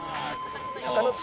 鷹の爪。